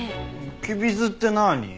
きび酢ってなあに？